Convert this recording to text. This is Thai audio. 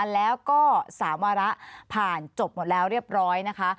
แล้วก็๓วาระผ่านจบหมดแล้วเรียบร้อยนะคะ